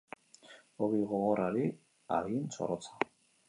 Ogi gogorrari hagin zorrotza.